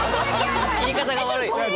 言い方が悪い。